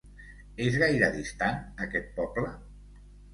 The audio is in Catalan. És gaire distant, aquest poble?